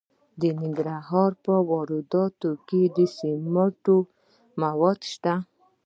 د ننګرهار په روداتو کې د سمنټو مواد شته.